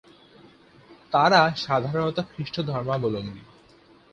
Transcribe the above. তারা সাধারণত খ্রিস্ট ধর্মাবলম্বী।